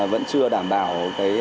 vẫn chưa đảm bảo